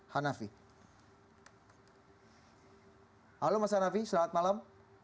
halo mas hanafi selamat malam